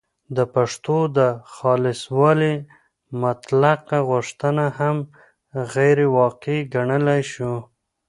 د پښتو د خالصوالي مطلقه غوښتنه هم غیرواقعي ګڼلای شو